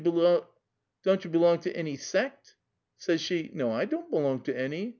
Says I, ' Don't you belong to an}' sec' ?' Says she, ' No, I don't belong to anj